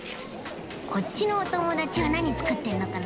こっちのおともだちはなにつくってんのかな？